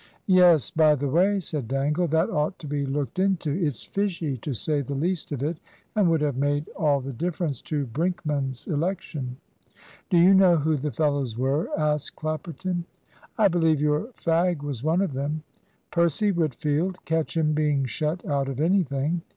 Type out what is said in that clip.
"Yes by the way," said Dangle, "that ought to be looked into. It's fishy, to say the least of it, and would have made all the difference to Brinkman's election." "Do you know who the fellows were?" asked Clapperton. "I believe your fag was one of them." "Percy Wheatfield? Catch him being shut out of anything.